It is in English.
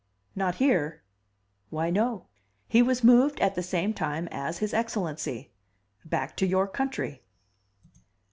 "Not here?" "Why, no. He was moved at the same time as His Excellency back to your country."